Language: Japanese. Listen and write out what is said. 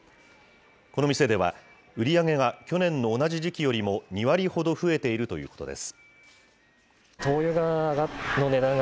この店では、売り上げが去年の同じ時期よりも２割ほど増えているということです。